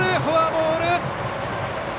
フォアボール！